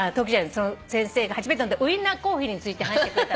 その先生が初めて飲んだウインナコーヒーについて話してくれた。